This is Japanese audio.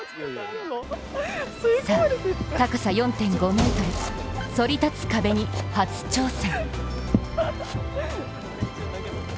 さぁ、高さ４．５ｍ、「そり立つ壁」に初挑戦。